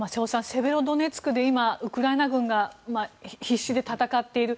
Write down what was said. セベロドネツクで今ウクライナ軍が必死で戦っている。